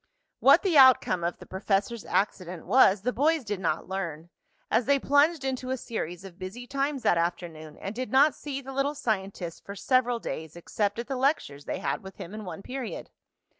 What the outcome of the professor's accident was the boys did not learn, as they plunged into a series of busy times that afternoon and did not see the little scientist for several days except at the lectures they had with him in one period.